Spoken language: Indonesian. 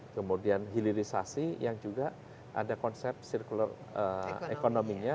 kemudian hilirisasi yang juga ada konsep circular economy nya